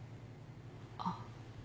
あっ。